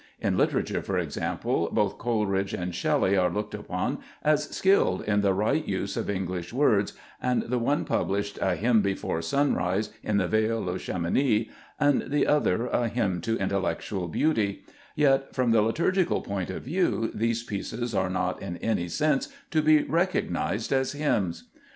In literature, for example, both Coleridge and Shelley are looked upon as skilled in the right use of English words, and the one published a <' Hymn before Sunrise in the Vale of Chamouni," and the other, a " Hymn to Intellectual Beauty "; yet, from the liturgical point of view, these pieces are not in any sense to be recognized as hymns.